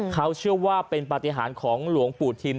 เขาเชื่อว่าเป็นปฏิหารของหลวงปู่ทิม